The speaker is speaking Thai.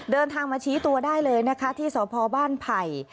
เดินทางมาชี้ตัวได้เลยนะคะที่สพบ้านไผ่